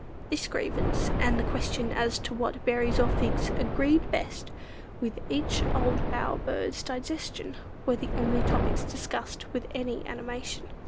This grievance, and the question as to what berries or figs agreed best with each old bower bird's digestion, were the only topics discussed with any animation.